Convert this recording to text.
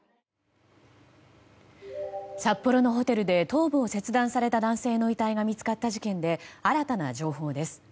札幌のホテルで頭部を切断された男性の遺体が見つかった事件で新たな情報です。